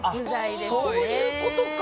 そういうことか！